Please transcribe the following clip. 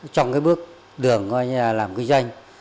trong cái bước đường coi như là làm kinh doanh